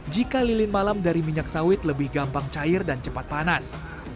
jika lilin malam dari minyak sawit lebih gampang cair dan cepat panas